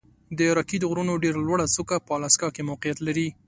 د راکي د غرونو ډېره لوړه څوکه په الاسکا کې موقعیت لري.